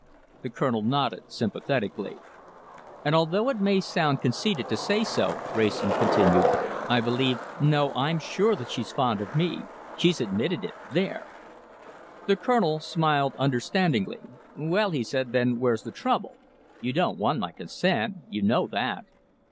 The Colonel nodded sympathetically. "And although it may sound conceited to say so," Wrayson continued, "I believe no! I'm sure that she's fond of me. She's admitted it. There!" The Colonel smiled understandingly. "Well." he said, "then where's the trouble? You don't want my consent. You know that."